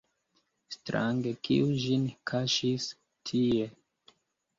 Strange, kiu ĝin kaŝis tie?